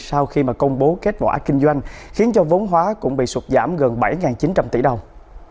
sau khi công bố kết quả kinh doanh khiến cho vốn hóa cũng bị sụt giảm gần bảy chín trăm linh tỷ đồng